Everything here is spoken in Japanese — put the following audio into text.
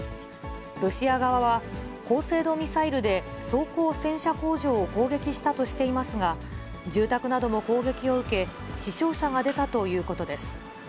ロシア側は、高精度ミサイルで装甲戦車工場を攻撃したとしていますが、住宅なども攻撃を受け、死傷者が出たということです。